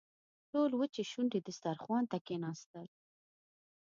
ټول وچې شونډې دسترخوان ته کښېناستل.